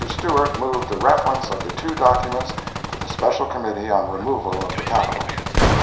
Stewart moved the reference of the two documents to the Special Committee on removal of the Capital.